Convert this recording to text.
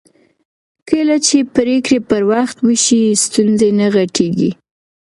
کله چې پرېکړې پر وخت وشي ستونزې نه غټېږي